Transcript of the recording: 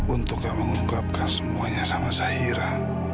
untuk gak mengungkapkan semuanya sama zahira